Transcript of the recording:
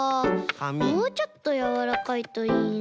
もうちょっとやわらかいといいな。